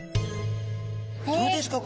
どうですか？